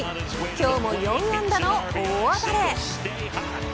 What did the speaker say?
今日も４安打の大暴れ。